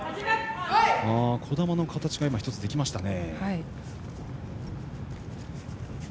児玉の形が１つできましたね。